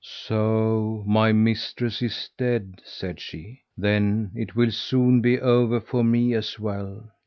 "So my mistress is dead," said she. "Then it will soon be over for me as well."